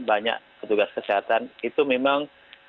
banyak petugas kesehatan itu memang